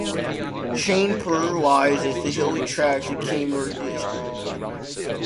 Chainpur lies in the hilly tracts of Kaimur district.